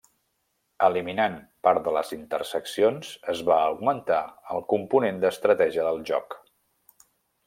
Eliminant part de les interseccions, es va augmentar el component d'estratègia del joc.